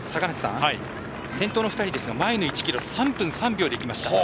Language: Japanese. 先頭の２人ですが前の１ｋｍ３分３秒で行きました。